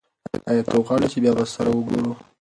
ایا ته غواړې چې بیا سره وګورو؟